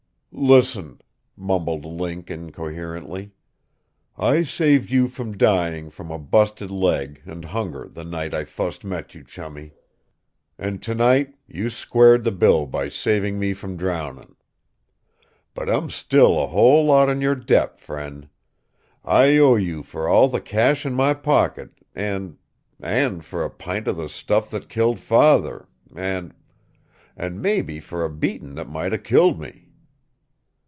"Listen," mumbled Link incoherently, "I saved you from dying from a bust leg and hunger the night I fust met you, Chummie. An' tonight you squared the bill by saving me from drownin'. But I'm still a whole lot in your debt, friend. I owe you for all the cash in my pocket an' an' for a pint of the Stuff that Killed Father an' an' maybe for a beatin' that might of killed me.